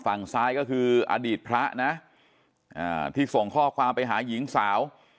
ฝั่งซ้ายก็คืออดีตพระนะที่ส่งข้อความไปหาหญิงสาว